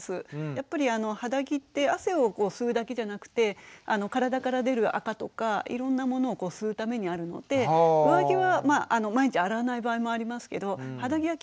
やっぱり肌着って汗を吸うだけじゃなくて体から出るあかとかいろんなものを吸うためにあるので上着は毎日洗わない場合もありますけど肌着は